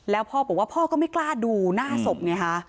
แล้วพ่อบอกว่าพ่อก็ไม่กล้าดูหน้าศพไงฮะ